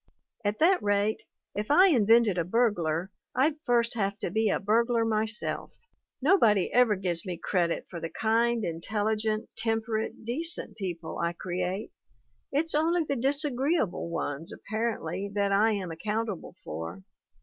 At that rate, if I invented a burglar, I'd first have to be a burglar myself ! Nobody ever gives me credit for the kind, intelligent, temperate, decent people I create ; it's only the disagreeable ones, apparently, that I am ac countable for.